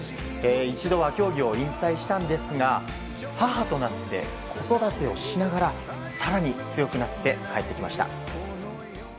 一度は競技を引退したんですが母となって子育てをしながら更に強くなって帰ってきました。